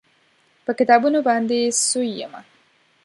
په کتابونو باندې سوی یمه